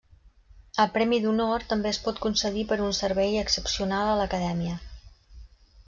El Premi d'Honor també es pot concedir per un servei excepcional a l'Acadèmia.